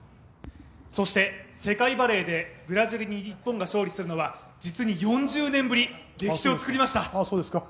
そして、世界バレーでブラジルに日本が勝利するのは実に４０年ぶり、歴史を作りました。